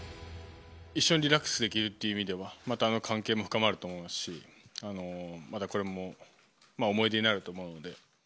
一緒にリラックスできるという意味では、また関係も深まると思いますし、またこれも思い出になると思うので。